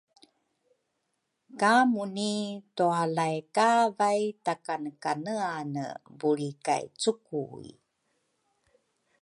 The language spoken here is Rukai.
Ka Muni tualay kavay takanekaneane bulri kay cukui.